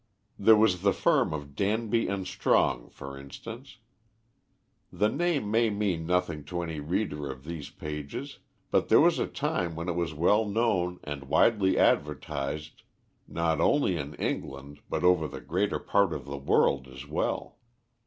There was the firm of Danby and Strong for instance. The name may mean nothing to any reader of these pages, but there was a time when it was well known and widely advertised, not only in England but over the greater part of the world as well.